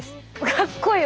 かっこいい！